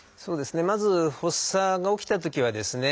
まず発作が起きたときはですね